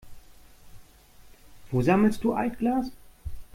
Wo sammelst du Altglas?